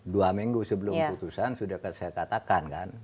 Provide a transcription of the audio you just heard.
dua minggu sebelum putusan sudah saya katakan kan